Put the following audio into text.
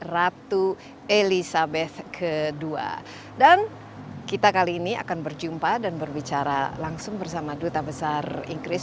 ratu elizabeth ii dan kita kali ini akan berjumpa dan berbicara langsung bersama duta besar inggris